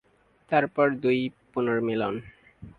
তারপর দুই পুনর্মিলন।